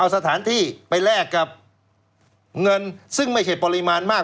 เอาสถานที่ไปแลกกับเงินซึ่งไม่ใช่ปริมาณมาก